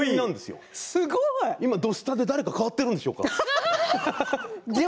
今「土スタ」で誰か変わっているでしょうか。